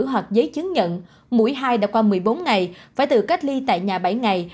hoặc giấy chứng nhận mũi hai đã qua một mươi bốn ngày phải tự cách ly tại nhà bảy ngày